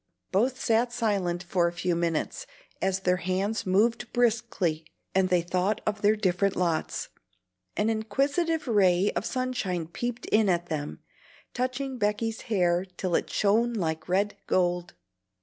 Both sat silent for a few minutes, as their hands moved briskly and they thought of their different lots. An inquisitive ray of sunshine peeped in at them, touching Becky's hair till it shone like red gold.